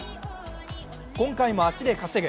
今回も足で稼ぐ。